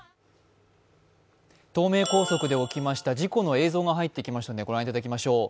東名高速で起きました事故の映像が入ってきましたご覧いただきましょう。